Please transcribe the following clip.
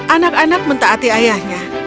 anak anak mentaati ayahnya